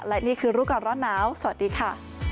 และนี่คือรูปการรอดน้าวสวัสดีค่ะ